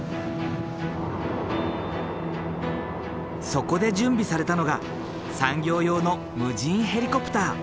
そこで準備されたのが産業用の無人ヘリコプター。